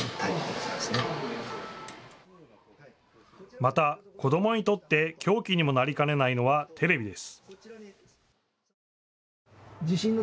また、子どもにとって凶器にもなりかねないのはテレビです。